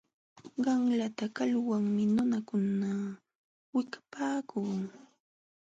Qanlata kalumanmi nunakuna wikapapaakun.